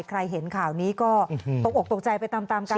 ใครเห็นข่าวนี้ก็ตกอกตกใจไปตามกัน